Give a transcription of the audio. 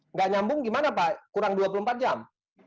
nggak nyambung gimana pak kurang dua puluh empat jam